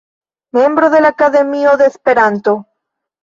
Membro de la Akademio de Esperanto.